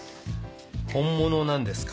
本物なんですか？